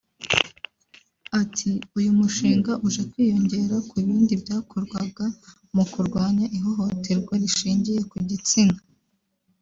Ati “Uyu mushinga uje kwiyongera ku bindi byakorwaga mu kurwanya ihohoterwa rishingiye ku gitsina